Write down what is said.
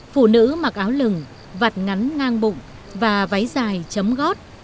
phụ nữ mặc áo lừng vặt ngắn ngang bụng và váy dài chấm gót